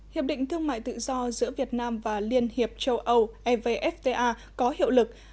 hiệp định thương mại tự do giữa việt nam và liên hiệp châu âu evfta có hiệu lực